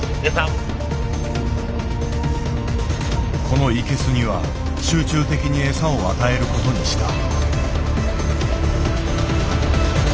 このイケスには集中的に餌を与えることにした。